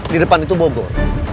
di depan itu bobor